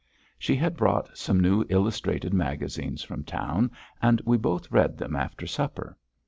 She had brought some new illustrated magazines from town and we both read them after supper.